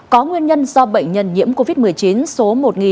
có nguyên nhân do bệnh nhân nhiễm covid một mươi chín số một ba trăm bốn mươi hai